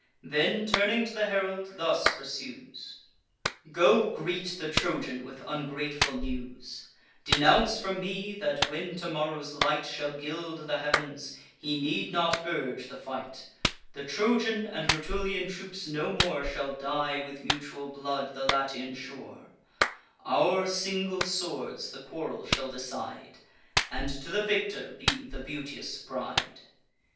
Then turning to the herald, thus pursues: "Go, greet the Trojan with ungrateful news; Denounce from me, that, when tomorrow's light Shall gild the heav'ns, he need not urge the fight; The Trojan and Rutulian troops no more Shall dye, with mutual blood, the Latian shore: Our single swords the quarrel shall decide, And to the victor be the beauteous bride."